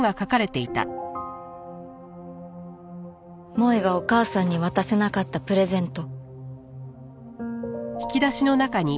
萌絵がお母さんに渡せなかったプレゼント。